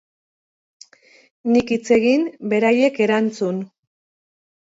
Nik hitz egin, beraiek erantzun.